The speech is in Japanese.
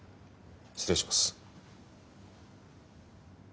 失礼します。